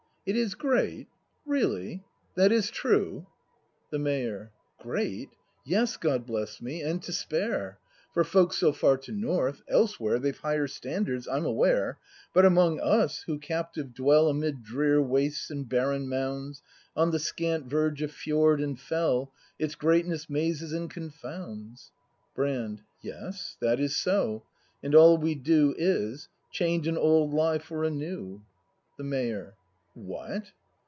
It is great? Really? That is true —? The Mayor. Great.'' — yes, God bless me, — and to spare — For folks so far to North. Elsewhere They've higher standards, I'm aware ? But among us who captive dwell Amid drear wastes and barren mounds, On the scant verge of fjord and fell. Its greatness 'mazes and confounds. Brand. Yes, that is so, and all we do Is, — change an old lie for a new. The Mayor. What